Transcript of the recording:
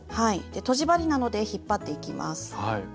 とじ針などで引っ張っていきます。